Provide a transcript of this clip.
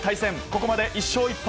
ここまで１勝１敗。